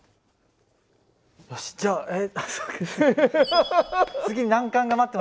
よしじゃあえそっか。